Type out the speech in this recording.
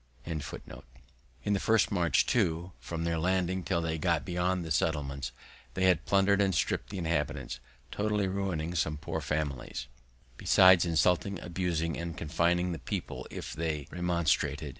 In their first march, too, from their landing till they got beyond the settlements, they had plundered and stripped the inhabitants, totally ruining some poor families, besides insulting, abusing, and confining the people if they remonstrated.